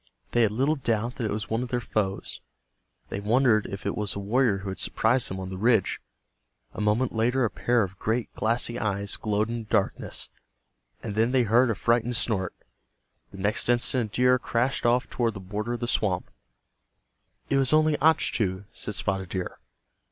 They had little doubt that it was one of their foes. They wondered if it was the warrior who had surprised them on the ridge. A moment later a pair of great glassy eyes glowed in the darkness, and then they heard a frightened snort. The next instant a deer crashed off toward the border of the swamp. "It was only Achtu," said Spotted Deer.